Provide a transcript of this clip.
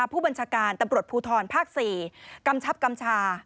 ผู้บัญชาการตำรวจภูทรภาค๔กำชับกำชา